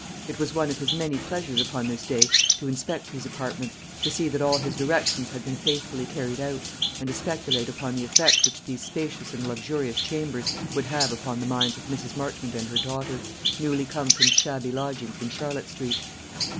It was one of his many pleasures upon this day to inspect these apartments, to see that all his directions had been faithfully carried out, and to speculate upon the effect which these spacious and luxurious chambers would have upon the minds of Mrs. Marchmont and her daughter, newly come from shabby lodgings in Charlotte Street.